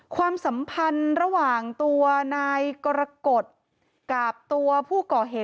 ความสัมพันธ์ระหว่างตัวนายกรกฎกับตัวผู้ก่อเหตุ